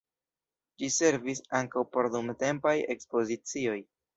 Ĝi servis ankaŭ por dumtempaj ekspozicioj.